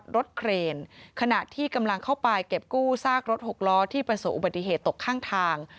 เครนขณะที่กำลังเข้าไปเก็บกู้ซากรถหกล้อที่ประสบอุบัติเหตุตกข้างทาง